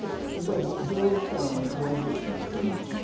やっぱり情報機関を一番重視しますよね。